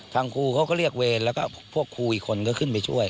ทางครูเขาก็เรียกเวรแล้วก็พวกครูอีกคนก็ขึ้นไปช่วย